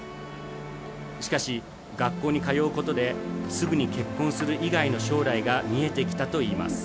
しかし学校に通うことですぐに結婚する以外の将来が見えてきたといいます